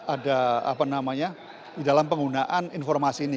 ada apa namanya di dalam penggunaan informasi ini